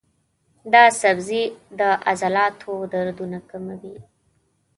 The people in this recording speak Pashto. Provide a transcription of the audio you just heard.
دا سبزی د عضلاتو دردونه کموي.